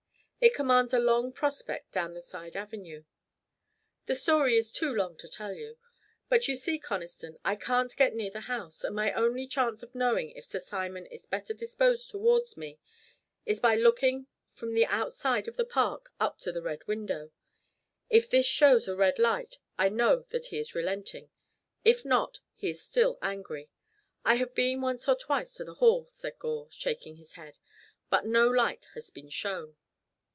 It commands a long prospect down the side avenue. The story is too long to tell you. But, you see, Conniston, I can't get near the house, and my only chance of knowing if Sir Simon is better disposed towards me is by looking from the outside of the park up to the Red Window. If this shows a red light I know that he is relenting; if not, he is still angry. I have been once or twice to the Hall," said Gore, shaking his head, "but no light has been shown."